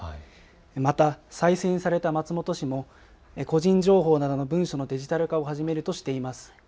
また、再選された松本氏も個人情報などの文書のデジタル化を始めるとしています。